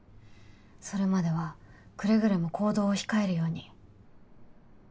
それまではくれぐれも行動を控えるように。